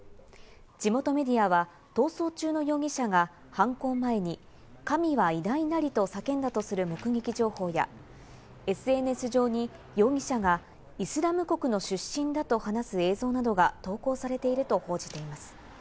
地元メディアは、逃走中の容疑者が犯行前に、神は偉大なりと叫んだとする目撃情報やＳＮＳ上に容疑者がイスラム国の出身だと話す映像などが投稿されていると報じています。